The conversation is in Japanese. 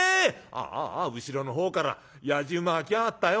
「あああ後ろのほうからやじ馬が来やがったよ。